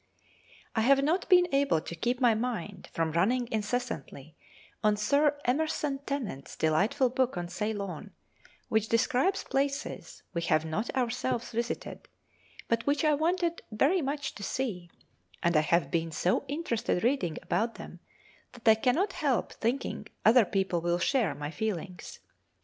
I have not been able to keep my mind from running incessantly on Sir Emerson Tennent's delightful book on Ceylon, which describes places we have not ourselves visited, but which I wanted very much to see, and I have been so interested reading about them that I cannot help thinking other people will share my feelings.